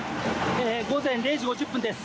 午前０時５０分です。